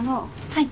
はい。